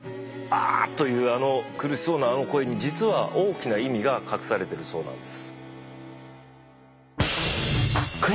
「あ！」というあの苦しそうなあの声に実は大きな意味が隠されてるそうなんです。